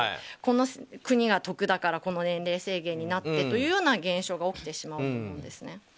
この国が得だからこの年齢制限になってという現象が起きてしまうんですね。